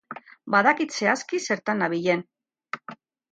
Badakit zehazki zertan nabilen.